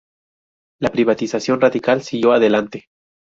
La privatización radical siguió adelante.